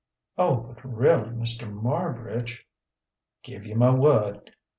"Oh, but really, Mr. Marbridge " "Give you my word!